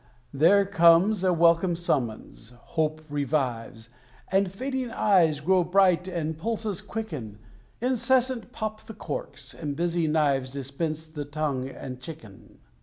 There comes a welcome summons hope revives, And fading eyes grow bright, and pulses quicken: Incessant pop the corks, and busy knives Dispense the tongue and chicken.